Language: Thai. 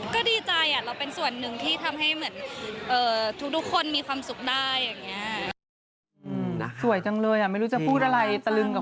ก็ดีใจเราเป็นส่วนหนึ่งที่ทำให้ทุกคนมีความสุขได้